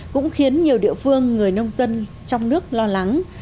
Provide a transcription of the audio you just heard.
cũng khiến nhiều địa phương người nông dân trong nước lo lắng